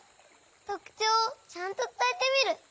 とくちょうをちゃんとつたえてみる！